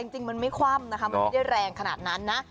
จริงมันไม่คว่ำนะคะมันไม่ได้แรงขนาดนั้นนะ